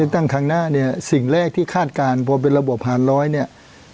ตั้งครั้งหน้าเนี่ยสิ่งแรกที่คาดการณ์พอเป็นระบบหารร้อยเนี่ย